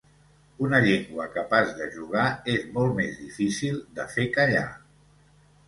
Una llengua capaç de jugar és molt més difícil de fer callar.